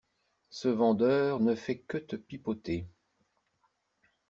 Ce vendeur ne fait que te pipeauter.